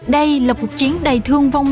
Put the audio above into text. đây là một chiến đầy thương vong